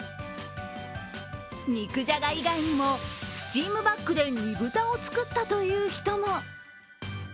肉じゃがい以外にも、スチームバッグで煮豚を作ったという人も。